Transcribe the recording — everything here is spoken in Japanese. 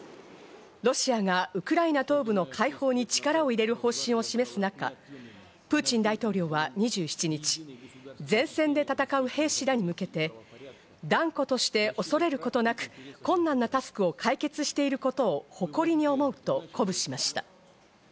ロシアがウクライナ東部の解放に力を入れる方針を示す中、プーチン大統領は２７日、前線で戦う兵士らに向けて、断固として恐れることなく、困難なタスクを解決してることを誇りに思うと鼓舞しました。